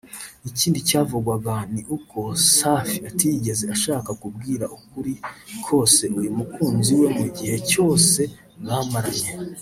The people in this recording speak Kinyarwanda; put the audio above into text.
Ikindi cyavugwaga ni uko Safi atigeze ashaka kubwira ukuri kose uyu mukunzi we mu gihe cyose bamaranye